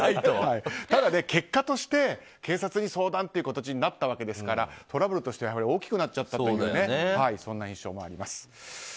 ただ結果として警察に相談っていう形になったわけですからトラブルとしては大きくなっちゃったというそんな印象もあります。